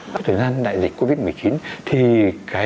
trong thời gian đại dịch covid một mươi chín thì kinh doanh online